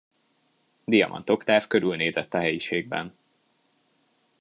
Diamant Oktáv körülnézett a helyiségben.